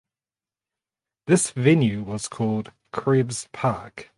This venue was called Krebs Park.